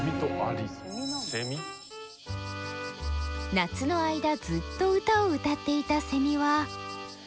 夏の間ずっと歌を歌っていたセミは。